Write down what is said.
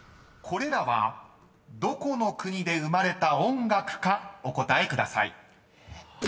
［これらはどこの国で生まれた音楽かお答えください］